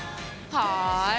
はい。